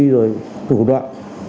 rồi tử đoạn